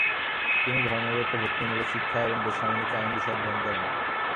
তিনি ধর্মতত্ত্ব, ভক্তিমূলক শিক্ষা এবং বেসামরিক আইন বিষয়ে অধ্যয়ন করেন।